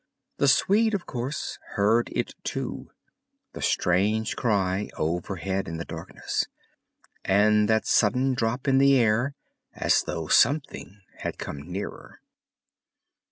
The Swede, of course, heard it too—the strange cry overhead in the darkness—and that sudden drop in the air as though something had come nearer.